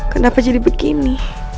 kenapa jadi begini